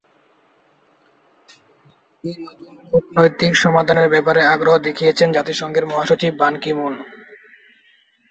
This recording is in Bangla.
এ নতুন কূটনৈতিক সমাধানের ব্যাপারে আগ্রহ দেখিয়েছেন জাতিসংঘের মহাসচিব বান কি মুন।